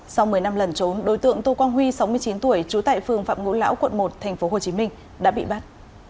sau một mươi năm lần trốn đối tượng tô quang huy sáu mươi chín tuổi trú tại phường phạm ngũ lão quận một tp hcm đã bị bắt